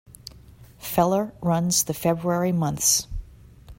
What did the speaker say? Feller runs the February months.